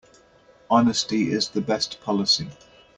Honesty is the best policy.